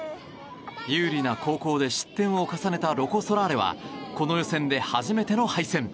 有利な後攻で失点を重ねたロコ・ソラーレはこの予選で初めての敗戦。